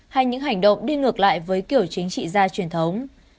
hay những hành động đi ngược lại với kiểu chính trị gia truyền thống